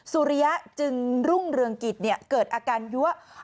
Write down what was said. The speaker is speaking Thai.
สุริยะจึงรุ่งเรืองกิจเกิดอาการยั้ว